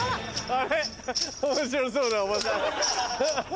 あれ面白そうなおばさん。